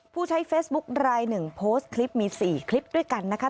ผู้ใช้เฟซบุ๊คลายหนึ่งโพสต์คลิปมี๔คลิปด้วยกันนะคะ